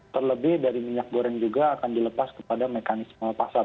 terlebih dari minyak goreng juga akan dilepas kepada mekanisme pasar